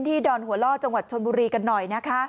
ดอนหัวล่อจังหวัดชนบุรีกันหน่อยนะคะ